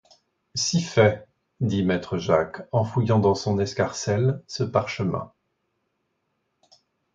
Si fait, dit maître Jacques en fouillant dans son escarcelle, ce parchemin.